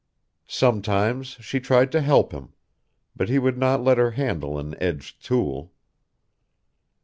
Sometimes she tried to help him; but he would not let her handle an edged tool.